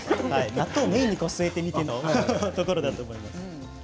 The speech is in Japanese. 納豆をメインに据えてみてのところだと思います。